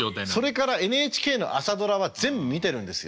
それからＮＨＫの「朝ドラ」は全部見てるんですよ。